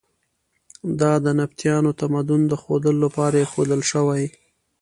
دا د نبطیانو تمدن د ښودلو لپاره ایښودل شوي.